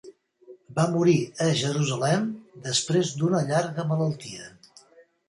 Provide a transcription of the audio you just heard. Va morir a Jerusalem després d'una llarga malaltia.